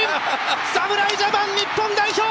侍ジャパン日本代表！